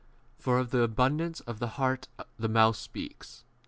For of the abundance of 35 the heart the mouth speaks.